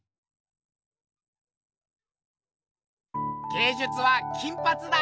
芸術は金ぱつだ！